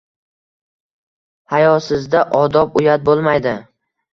Hayosizda odob, uyat bo‘lmaydi.